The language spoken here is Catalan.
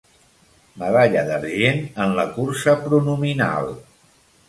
Medalla d'argent en la cursa pronominal.